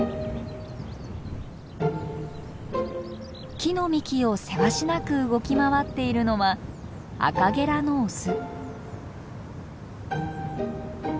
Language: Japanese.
木の幹をせわしなく動き回っているのはアカゲラのオス。